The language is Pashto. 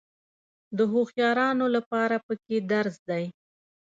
د هوښیارانو لپاره پکې درس دی.